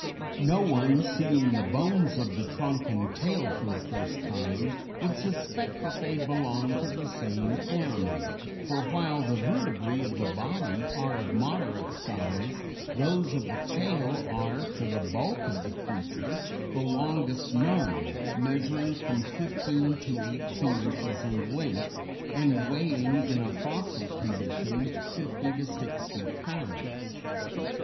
No one, seeing the bones of the trunk and tail for the first time, would suspect that they belonged to the same animal, for while the vertebræ of the body are of moderate size, those of the tail are, for the bulk of creature, the longest known, measuring from fifteen to eighteen inches in length, and weighing in a fossil condition fifty to sixty pounds.